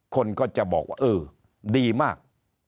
คนก็จะบอกว่าเออดีมาก